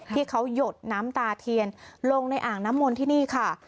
ที่เขาหยดน้ำตาเทียนลงในอ่างน้ำมนต์ที่นี่ค่ะ